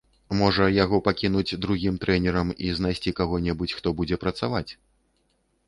Можа, яго пакінуць другім трэнерам, і знайсці каго-небудзь, хто будзе працаваць.